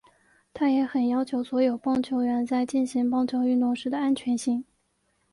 他也很要求所有棒球员在进行棒球运动时的安全性。